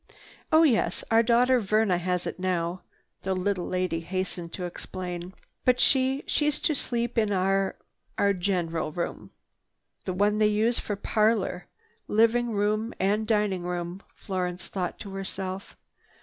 "Oh yes, our daughter Verna has it now," the little lady hastened to explain. "But she—she's to sleep in our—our general room." "The one they use for parlor, living room and dining room," Florence thought to herself.